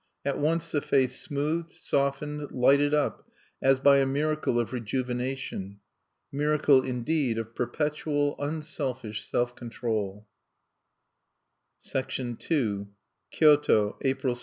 At once the face smoothed, softened, lighted up as by a miracle of rejuvenation. Miracle, indeed, of perpetual unselfish self control. II Kyoto, April 16.